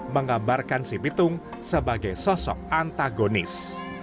menggambarkan si bitung sebagai sosok antagonis